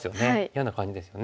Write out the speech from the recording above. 嫌な感じですよね。